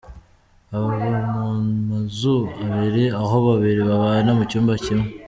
Baba mu mazu abiri aho babiri babana mu cyumba kimwe.